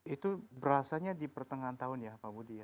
itu berasanya di pertengahan tahun ya pak budi ya